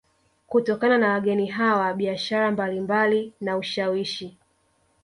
Kutokana na wageni hawa biashara mbalimbali na ushawishi